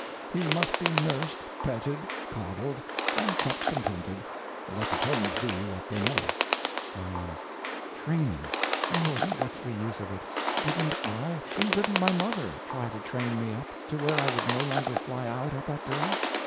He must be nursed, petted, coddled, and kept contented, let the terms be what they may. Y.M. Training! Oh, what's the use of it? Didn't I, and didn't my mother try to train me up to where I would no longer fly out at that girl?